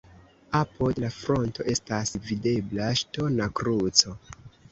Apud la fronto estas videbla ŝtona kruco.